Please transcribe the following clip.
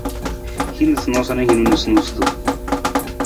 Hin noosanoosa na noosunonosutu.